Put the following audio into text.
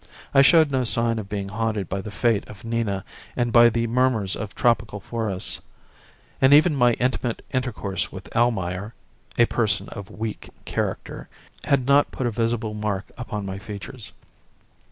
I showed no sign of being haunted by the fate of Nina and by the murmurs of tropical forests; and even my intimate intercourse with Almayer (a person of weak character) had not put a visible mark upon my features.